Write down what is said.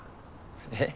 えっ？